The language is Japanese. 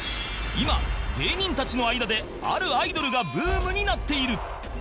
今芸人たちの間であるアイドルがブームになっている